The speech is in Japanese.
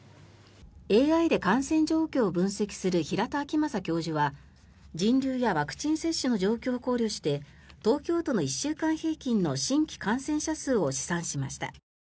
ＡＩで感染状況を分析する平田晃正教授は人流やワクチン接種の状況を考慮して東京都の１週間平均の新規感染者数を試算しました。